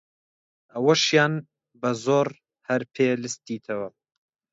ئەوەیشیان بە زۆر هەر پێ لستیتەوە!